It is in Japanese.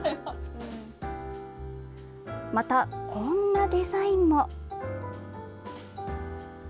また、こんなデザインも。